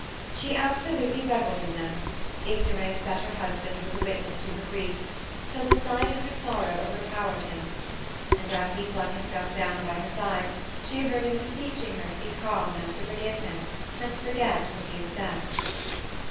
She absolutely revelled in them, ignorant that her husband was a witness to her grief, till the sight of her sorrow overpowered him; and as he flung himself down by her side she heard him beseeching her to be calm, and to forgive him, and to forget what he had said.